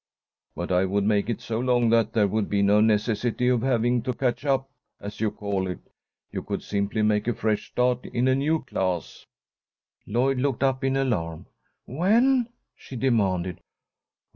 "But I would make it so long that there would be no necessity of having to catch up, as you call it. You could simply make a fresh start in a new class." Lloyd looked up in alarm. "When?" she demanded.